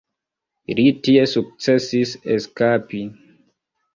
Li tie sukcesis eskapi.